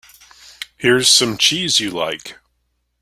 Here's some cheese you like.